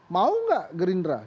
mau nggak gerindra